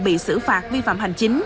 bị xử phạt vi phạm hành chính